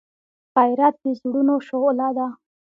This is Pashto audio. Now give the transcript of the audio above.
غیرت د زړونو شعله ده